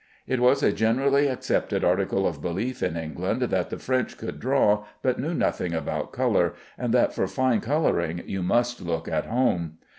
It was a generally accepted article of belief in England, that the French could draw, but knew nothing about color, and that for fine coloring you must look at home.